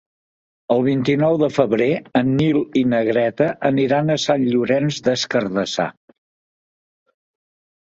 El vint-i-nou de febrer en Nil i na Greta aniran a Sant Llorenç des Cardassar.